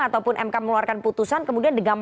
ataupun mk mengeluarkan putusan kemudian dengan mbak bibip